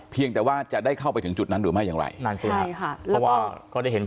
เพียงแต่ว่าจะได้เข้าไปถึงจุดนั้นหรือไม่อย่างไร